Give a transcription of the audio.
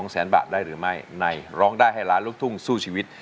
แสนบาทได้หรือไม่ในร้องได้ให้ล้านลูกทุ่งสู้ชีวิต